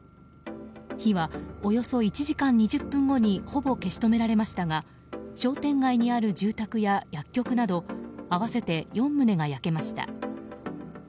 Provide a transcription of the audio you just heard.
火は、およそ１時間２０分後にほぼ消し止められましたが商店街にある住宅や薬局など合わせて４棟が焼けました。